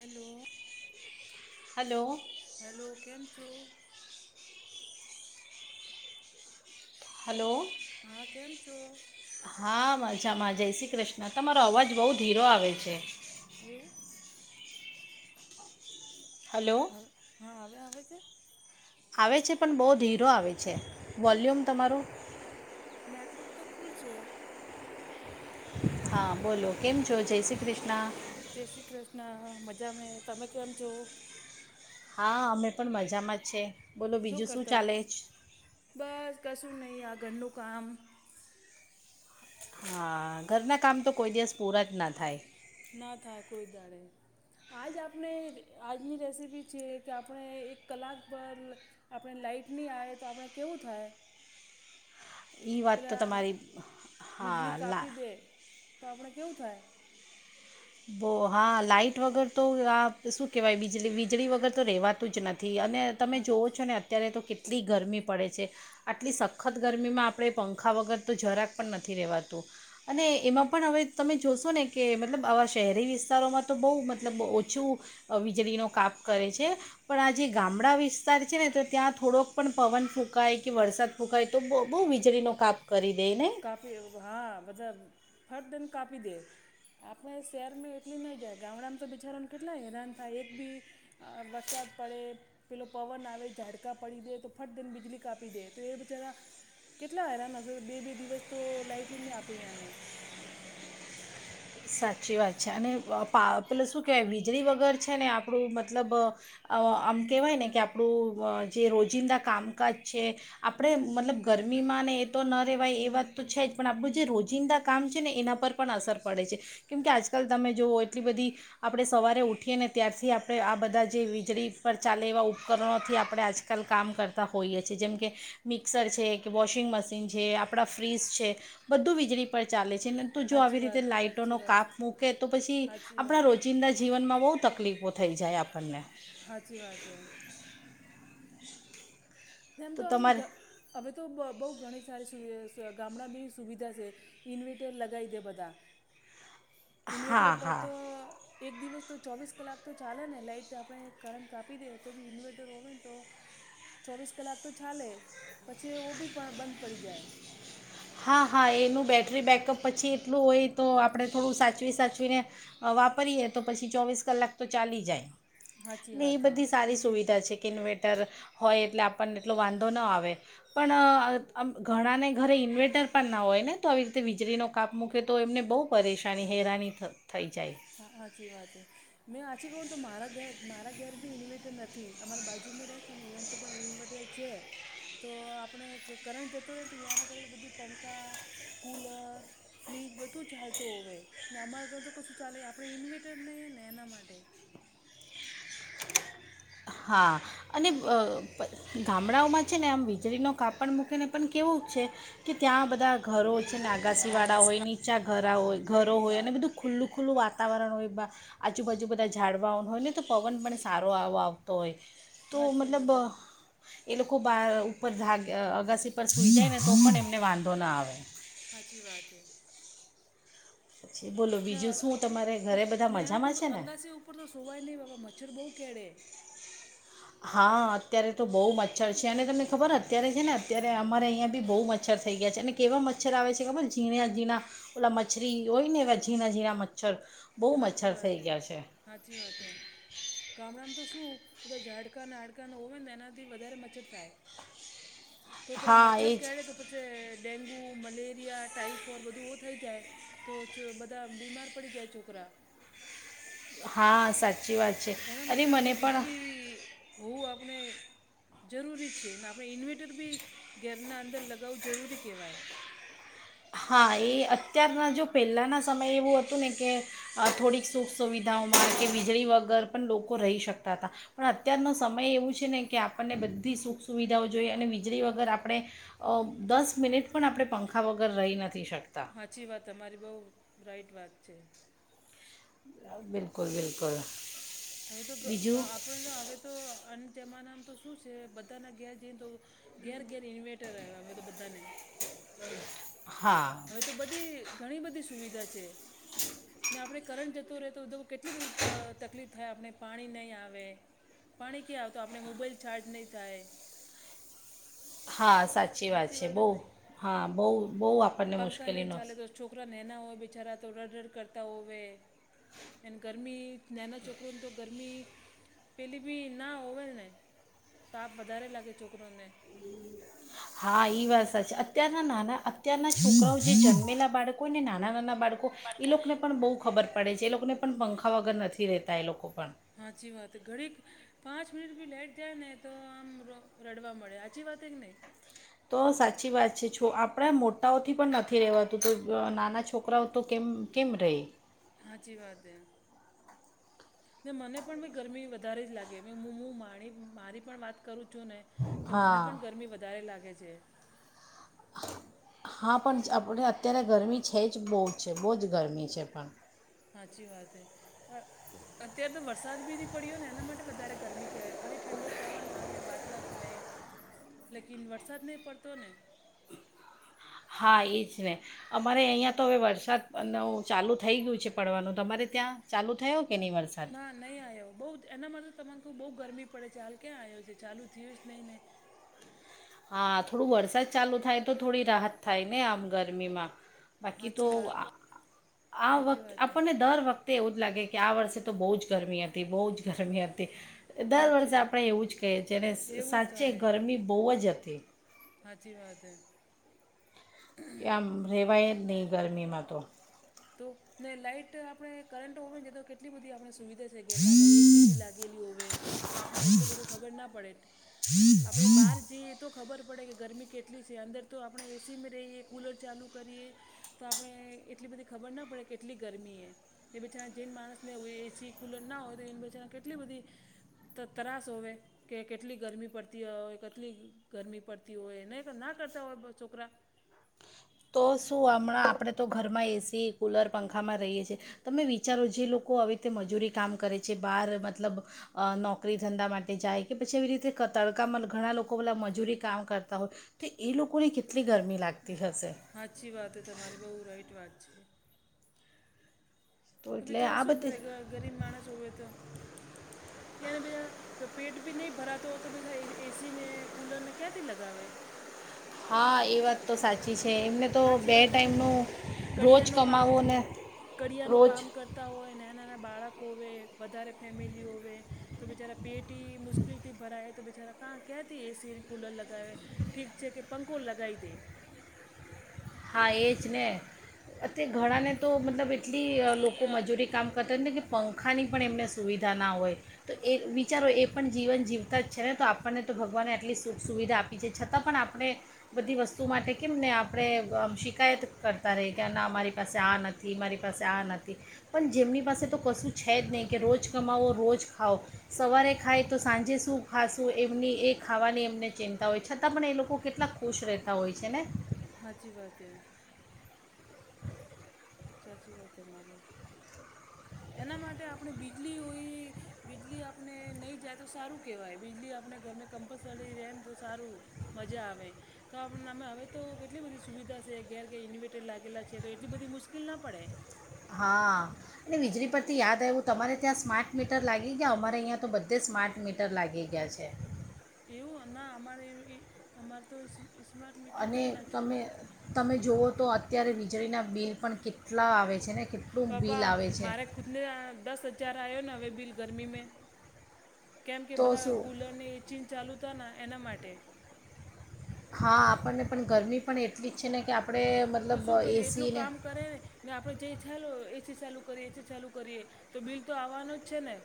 Hello hello hello કેમ છો hello. હા કેમ છો? હા મજામાં જય શ્રી કૃષ્ણ. તમારો અવાજ બઉ ધીરો આવે છે. એવું હલો હવે હા હવે આવે છે? આવે છે પણ બહુ ધીરો આવે છે એવું વોલ્યુમ તમારું નેટવર્ક તો ફૂલ છે. હા બોલો કેમ છો? જય શ્રી કૃષ્ણ. જય શ્રી કૃષ્ણ મજા મે તમે કેમ છો? હા અમે પણ મજામાં જ છે. બોલો શું બીજું કરતા? ચાલે છે બસ કશું નહી આ ઘરનું કામ. હા ઘરના કામ તો કોઈ દિવસ પૂરા જ ના થાય. ના થાય કોઈ દાડે. આજ આપણે આજની રેસીપી છેએ કે આપણે એક કલાક પર આપણે લાઈટ નહી આવે તો આપણે કેવું થાય? એ વાત તો પેલા તમારી હા બીજલી લા કાપી દે તો આપણે કેવું થાય? ઓ હા લાાઈટ વગર તો આ શું કહેવાય વીજળી વીજળી વગર તો રહેવાતું જ નથી અને તમે હા જોઓ છો ને અત્યારે તો કેટલી ગરમી પડે છે. આટલી સખત ગરમીમાં આપણે પંખા વગર તો જરાક પણ નથી રેવાતું. અને એમાં પણ હવે તમે જોશો ને કે મતલબ આવા શહેરી વિસ્તારોમાં તો બહુ મતલબ ઓછું વીજળીનો કાપ કરે છે. પણ આ જે ગામડા વિસ્તાર છે ને તો ત્યાં થોડોક પણ પવન ફૂંકાય કે વરસાદ ફુકાય તો બહુ વીજળી નો કાપ કરી દે ને. કાપી હા બધા ફટ દેને કાપી દે. આપણે શહેરમાં એટલી નહીં જાય ગામડામાં તો બિચારાને કેટલા હેરાન થાય એક બી વરસાત પડે પેલો પવન આવે ઝાડકા પડી દે તો ફટ દેને વીજળી કાપી દે તો એ બિચારા કેટલા હેરાના છે. બે બે દિવસ તો લાઈટ ન આપેંને સાચી વાત છે અને પેલે શું કહેવાય વીજળી વગર છે ને આપણું મતલબ આમ કહેવાય ને કે આપણું જે રોજિંદા કામકાજ છે. આપણે મતલબ ગરમીમાં ને એ તો ન રહેવાય એ વાત તો છે જ પણ આપણું જે રોજિંદા કામ છે ને એના પર પણ અસર પડે છે કેમ કે આજકાલ તમે જુઓ એટલી બધી આપણે સવારે ઉઠીએ ને ત્યારથી આપણે આ બધા જે વીજળી પર ચાલે એવા ઉપકરણોથી આપણે આજ કલ કામ કરતા હોઈએ છીએ જેમ કે મિક્સર છે, કે વોશિંગ મશીન છે, આપણા ફ્રીઝ છે, બધું વીજળી પર ચાલે છે. તો જો આવી સાચી રીતે વાત લાઈટોનો સાચી વાત કાપ મૂકે તો પછી સાચી વાત આપણા હે રોજીિંદ જીવનમાં બહુ તકલીફો થઈ જાય આપણને. હાચી વાત તારી. જેમ તો અમે હવે તો બહુ ઘણી સારી ગામડા બી સુવિધા છે. ઈન્વેટર લગાવી દે બધા ઇન્વેટર હા પર હા તો એક દિવસ તો ચોવીસ કલાક તો ચાલે ને લાઈટ આપણે કરંટ કાપી દઈએ તો બી ઇન્વર્ટર હોય ને તો ચોવીસ કલાક તો ચાલે પછી ઓ બી પણ બંધ પડી જાય. હા હા એનું બેટરી બેકઅપ પછી એટલું હોય તો આપણે થોડું સાચવી સાચવીને વાપરીએ તો પછી ચોવીસ કલાક તો ચાલી જાય. સાચી એ વાત હે બધી સારી સુવિધા છે કે [unintelligible] હોય એટલે આપણને એટલો વાંધો ન આવે પણ આ આમ ઘણાને ઘરે ઇન્વેટ ટર પણ ના હોય ને તો આવી રીતે વીજળીનો કાપ મૂકે તો એમને બહુ પરેશાની હેરાની થ થઈ જાય. હા હા હાચી વાત હે. મેં હાચી કહું તો મારા ઘરે મારા ઘેર બી ઇન્વેર્ટર નથી અમારા બાજુમાં રહે છે ને અહીંય તો પણ ઇવેર્ટર છે તો આપણે કા કરંટ જતું રહે તો અહીંયા ના ઘરે બધી પંખા કુલર ફ્રીજ બધું ચાલતો હોવે ના અમારા ઘર તો કશું ચાલે આપણે ઇન્વેટર નહીંએ ને એના માટે હા અને બાકી અ ગામડાઓમાં છે ને આમ વીજળીનો કાપડ મૂકીને પણ કેવુંક છે કે ત્યાં બધા ઘરો છે આગાસી વાળા હોય ની ચા ઘરા હોય, ઘરો હોય અને બધું ખુલ્લું-ખુલ્લું વાતાવરણ હોય બા આજુબાજુ બધા ઝાડવાઓ હોય ને તો પવન પણ સારો આવ આવ તોય તો તો હાચી મતલબ વાત હે. અહ એ લોકો બહાર ઉપર ધાગ અગાસી પર સુઈ જાય ને તો પણ એમને વાંધો ના આવે. હાચી વાત હે. જી બોલો. ના, બીજું અવ શું તમારે ઘરે બધા એમ કહ મજામાં છે ને અંગાસી ઉપર તો સુવાઈ નહીં, બાબા મચ્છર બહુ કેળે. હા, અત્યારે તો બહુ મચ્છર છે, અને તમને ખબર અત્યારે છે ને, અત્યારે અમારે અહીંયા બી બહુ મચ્છર થઈ ગયા છે, અને કેવા મચ્છર આવે છે, ખબર ઝીણા ઝીણા ઓલા મચ્છરી હોયને, એવા ઝીણા ઝીણા મચ્છર. બહુ હાચી મચ્છર વાત થઈ હે, ગયા છે હાચી વાત હે. ગામડામાં તો શું બધા ઝાડકા અન હાડકાના હોવે ને, એનાથી વધારે મચ્છર થાય. તો પેલા હા મચ્છર એ જ કેડે તો પછ જે ડેન્ગુ મલેરિયા ટાાઈફોઈડ બધું થઈ જાય. તો ચો બધા બીમાર પડી જાય છોકરા. હા, સાચી વાત. છે એના માટે અરે આપણે મને પણ બિજલી હોવું આપણે. જરૂરી છે, તો આપણે ઇન્વેટર બી ઘેરના અંદર લગાવવું જરૂરી કહેવાય. હા, એ અત્યારના જો પહેલાના સમયે એવું હતું ને કે, અ થોડીક્સ સુખ સુવિધાઓમાં કે વીજળી વગર પણ લોકો રહી શકતા હતા. પણ અત્યારનો સમય એવું છે ને, કે આપણને બધી સુખ સુવિધાઓ જોઈએ અને વીજળી વગર આપડે. અ દસ મિનિટ પણ આપણે પંખા વગર રહી નથી શકતા. હાચી વાત તમારી બહુ રાઈટ વાત છે. આ બિલકુલ, બિલકુલ. હવે તો ગ બીજું આપણે હવે તો અન જમાનામાં તો શું છે, બધાના ઘેર જઈએ તો. ઘેર-ઘેર ઇન્વેર્ટર આવ્યા અવે તો બધાને. હા હવે તો બધી ઘણી બધી સુવિધા છે. ને આપડે કરંટ જતું રહેતો, કેટલી બધી ત તકલીફ થાય, આપણે પાણી નહીં આવે પાણી ક્યાં આવતો, આપણે મોબાઈલ ચાર્જ નહીં થાય. હા સાચી વાત છે. બઉ હા બઉ બઉ આપ્યું પંખા નહીં ચાલે તો છોકરા નેના હોય બિચારા તો રડરડ કરતા હોવે. એન ગરમી નાના છોકરોનતો ગરમી પેલી બી ના હોવેલ ને તાપ વધારે લાગે છોકરોને. હા ઈ વાત સાચી, અત્યારના નાના અત્યારના છોકરાઓ જે જન્મેલા બાળકો હો, ને નાના નાના બાળક કો એ લોકોને પણ બહુ ખબર પડે છે એ લોકોને પણ પંખા વગર નથી રેતા એ લોકો પણ હાચી વાત ઘડીક પાંચ મિનિટ બી લાઈટ જાય ને તો આમ ર રડવા મળે હાચી વાત કે નહી. તો સાચી વાત છે છો આપણા મોટાઓથી પણ નથી રહેવાતું તો નાના છોકરાઓ તો કેમ? કેમ રહી? હાચી વાત હે. ને મને પણ ગરમી વધારે જ લાગે ને મુ મુ માની મારી પણ વાત કરું છું ને? કે મને હા પણ ગરમી વધારે લાગે છે. હા પણ આપડે અત્યારે ગરમી છે જ, બહુ જ છે બહુજ ગરમી છે પણ. હાચી વાત હે અ અત્યારે તો વરસાદ બી ની પડ્યો ને એના માટે વધારે ગરમી કેહેવાય ખાલી ઠંડુ પવન આવે વાદલાત તાહે લેકિન વરસાદ નહીં પડતો ને? હા એજ ને અમારે અહીયાં તો હવે વરસાદ નો ચાલુ થઈ ગયું છે પડવાનું તો તમારે ત્યાં ચાલુ થયો કે નહીં વરસ ના નહીં આવ્યો બહુતા એનામાં તો તમારખુ બહુ ગરમી પડે ચાલ ક્યાં આવ્યો છે ચાલુ થયું જ નહીં નહીં. હા થોડું વરસાદ ચાલુ થાય તો થોડી રાહત થાય ને આમ ગરમીમાં. બાકી તો સાચી આ વાત આ આ સાચી વખત વાત હે આપણને દર વખ તે એવું જ લાગે કે આ વર્ષે તો બહુ જ ગરમી હતી બહુ જ ગરમી હત તે દર સાચી વર્ષે વાત આપણે એવું જ કહીએ છીએને એવું જ સાચે ગરમી બહુ જ હતી. હાચી વાત હે. કે આમ રહેવાય જ નહીં ગરમીમાં તો. તો ને લાઈટ આપણે કરંટ હોવે છે તો કે એટલી બધી આપણે સુવિધા છે કે એના અંદર એસી બી લાગેલી હોય તો આપણને એટલું બધું ખબર ના પડે આપડે બહાર જઈએ તો ખબર પડે કે ગરમી કેટલી છે અંદર તો આપણે એ સી માં રહીએ કુલર ચાલુ કરીએ તો આપણે એટલી બધી ખબર ના પડે કેટલી ગરમી એ. એ પછાના જેન માણસને એસી કુલર ના હોય તો એની પછે કેટલી બધી તો ત્રાસ હોવે. કે કેટલી ગરમી પડતી હોય કેટલી ગરમી પડતી હોય ને ના કરતા હોય છોકરા. તો શું હમણાં આપણે તો ઘરમાં એસી કૂલર પંખામાં રહીએ છીએ. તમે વિચારો જે લોકો આવી રીતે મજૂરી કામ કરે છે બાર મતલબ અ નોકરી ધંધા માટે જાય કે પછી એવી રીતે તડકામાં ઘણા લોકો બલા મજૂરી કામ કરતા હોય. તો ઈ લોકોને કેટલી ગરમી લાગતી હશે. હાચી વાત તમારી બહુ રાઈટ વાત છે. તો એટલે બિચારા આ શું બધી કરે ગરીબ માણસ હોવે તો [unintelligible] તો પેટ ભી નહી ભરાતો હોય તો એએસી ને કુલર ને ક્યાંથી લગાવે. હા એ વાત તો સાચી છે એમને તો હાચી બે વાત હે કે નહી ટાઈમનું કડિયા રોજ નું કામ કમાવો ને કડિયા નું રોજ કામ કરતા તા હોય નાના નાના બાળકો હો વધારે ફેમિલી હોવે તો બિચારા પીએટી મુશ્કેલથી ભરાય તો બિચારા કા ક્યાંથી એસીને કુલર લગાવે ઠીક છે કે પંખો લગાવી દે. હા એ જ ને આતે ઘણાને તો મતલબ એટલી લોકો મજૂરી કામ કતરને કે પંખાની પણ એમને સુવિધા ના હોય. તો એ વિચારો એ પણ જીવન જીવતા જ છે ને તો આપણને તો ભગવાનને એટલી સુખ સુવિધા આપ આપી છે છતાં પણ આપણે બધી વસ્તુઓ માટે કેમ ને આપણે તો આમ શિકાયત કરતા રે કે ના અમારી પાસે આ નથી મારી પાસે આ નથી. પણ જેમની પાસે તો કશું છે જ નહીં કે રોજ કમાવો રોજ ખાઓ સવારે ખાય તો સાંજે શું ખાશું એમની એ ખાવાની એમને ચિંતા હોય છતાં પણ એ લોકો કેટલાક ખુશ રહેતા હોય છે ને. હાચી વાત હે. સાચી વાત તમારી. એના માટે આપણે બીજળી હોય. બીજલી આપણે નહી જાય તો સારું કેવાય બીજલી આપણે ઘર કમ્પલસરી રે ને તો સારું. મજા આવે. તો આપ ના મે હવે તો કેટલી બધી સુવિધા છે ઘેર ઘેર ઇન્વેર્ટર લાગેલા છે તો એટલી બધી મુશ્કેલ ના પડે. હા અને વીજળી પરથી યાદ આવ્યું તમારે ત્યાં સ્માર્ટ મીટર લાગી ગ અમારે અહીંયા તો બધે સ્માર્ટ મીટર લાગી ગયા છે એવું ના અમારે એવી અમારે તો સ્માર્ટ મીટર અને નહીં લાગે તમે તમે જુઓ તો અત્યારે વીજળીના બિલ પણ કેટલા આવે છે ને કેટલું બિલ આવે છે ખુતના દસ હજાર આવ્યોને હવે બિલ ગરમીમાં કેમ કે તો બધા શું કૂલરને એ ચીન ચાલુ હતા એના માટે હા આપણને પણ ગરમી પણ એટલી જ છે ને કે આપણેે તો શું કરીએ એટલું કામ કરે ને. ને આપણે જે ચાલ એસી ચાલુ કરીએ એસી ચાલુ કરીએ. તો બિલ તો આવવાનો જ છે ને.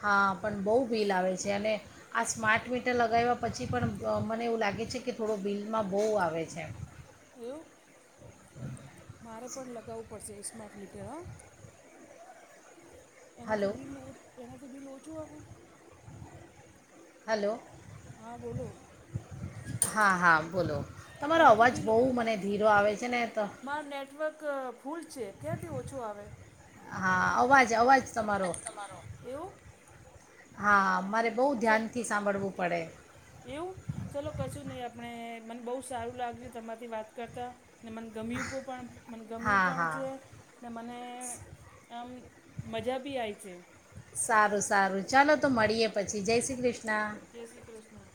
હા પણ, બહુ બીલ આવે છે અને. આ સ્માર્ટ મટર લગાવ્યા પછી પણ મને એવું લાગે છે કે થોડો બિલમાં બહુ આવે છે. હું મારે પણ લગાવવું પડશે સ્માર્ટ મીટર હં. હલો એનાથી બી લો એનાથી બી લો ઓચું આવે. હલો! હા બોલો. હા હા, બોલો તમારો એનાથી અવાજ બિલ બહુ મને ધીરો આવે છે ને. મારું નેટવર્ક ફૂલ છે ક્યાંથી ઓછું આવે. હા! અવાજ અવાજ તમારો એવું હા મારે. બહુ સર ધ્યાનથી સાંભળવું પડે. એવું ચલો કશું નહી આપણે મને બહુ સારું લાગ્યું તમારાથી વાત કરતા ને મ.. ગમ્યું પણ મ ગમ્યું હા પણ હા છે. ને મને આમ મજા બી આવી છે. સારું સારું ચાલો તો મળીએ પછી જય શ્રી કૃષ્ણ. જય શ્રી કૃષ્ણ!